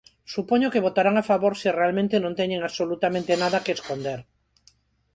Supoño que votarán a favor se realmente non teñen absolutamente nada que esconder.